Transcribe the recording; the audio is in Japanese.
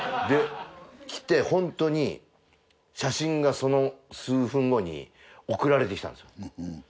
で来てホントに写真がその数分後に送られてきたんですよ。